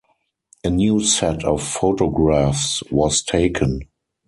A new set of photographs was taken.